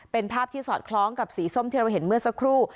เป็นภาพที่สอดคล้องกับสีส้มที่เราเห็นเมื่อสักครู่